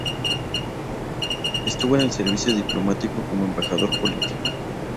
Estuvo en el Servicio Diplomático como embajador político.